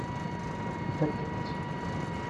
Ifakk-ak-tt.